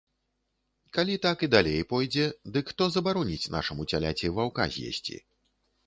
Калі так і далей пойдзе, дык хто забароніць нашаму цяляці ваўка з'есці?